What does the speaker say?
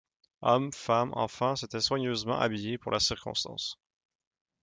Hommes, femmes, enfants, s’étaient soigneusement habillés pour la circonstance.